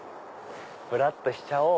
ぶらっとしちゃおう。